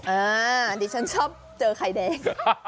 อันนี้ฉันชอบเจอไข่แดง